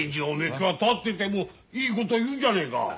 今日は立っててもいいこと言うじゃねえか。